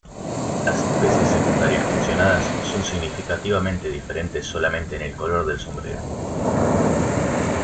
Las especies secundarias mencionadas, son significativamente diferentes solamente en el color del sombrero.